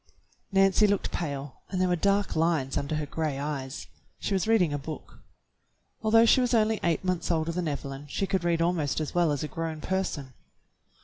Nancy looked pale and there were dark lines under her gray eyes. She was reading a book. Although she was only eight months older than Evelyn she could read almost as well as a grown person.